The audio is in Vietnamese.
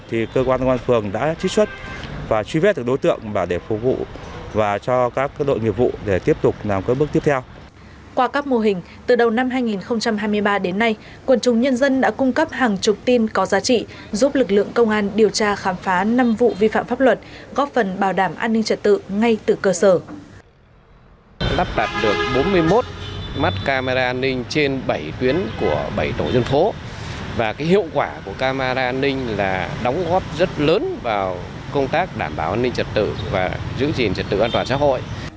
hiệu quả của camera an ninh là đóng góp rất lớn vào công tác đảm bảo an ninh trật tự và giữ gìn trật tự an toàn xã hội